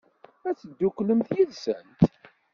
Ad tedduklemt yid-sent?